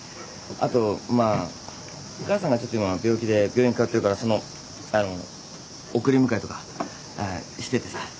あとまあ母さんがちょっと今病気で病院通ってるからそのあの送り迎えとかしててさ。